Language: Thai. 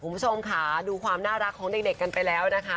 คุณผู้ชมค่ะดูความน่ารักของเด็กกันไปแล้วนะคะ